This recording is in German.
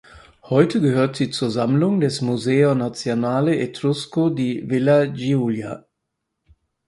Heute gehört sie zur Sammlung des Museo Nazionale Etrusco di Villa Giulia.